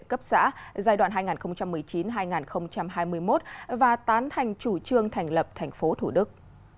cấp xã giai đoạn hai nghìn một mươi chín hai nghìn hai mươi một và tán thành chủ trương thành lập thành phố thủ đức